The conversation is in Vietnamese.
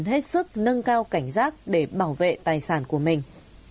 hết sức nâng cao cảnh giác để bảo vệ tài sản của mình